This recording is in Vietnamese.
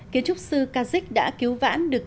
kiến trúc sư kazik đã cứu vãn được